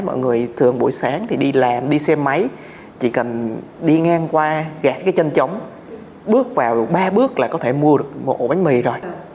buổi sáng thì đi làm đi xe máy chỉ cần đi ngang qua gạt cái chân chống bước vào ba bước là có thể mua được một ổ bánh mì rồi